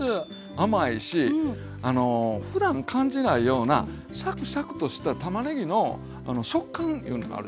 甘いしふだん感じないようなシャクシャクとしたたまねぎの食感いうのがあるでしょ。